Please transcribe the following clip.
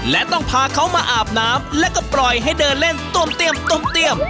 และต้องพาเขามาอาบน้ำและก็ปล่อยให้เดินเล่นต้มเตียม